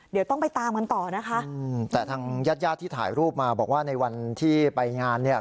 เดี๋ยวต้องไปตามกันต่อนะคะอืมแต่ทางญาติญาติที่ถ่ายรูปมาบอกว่าในวันที่ไปงานเนี่ย